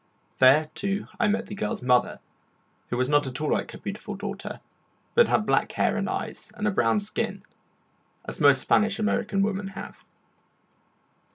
There, too, I met the girl's mother, who was not at all like her beautiful daughter, but had black hair and eyes, and a brown skin, as most Spanish American women have.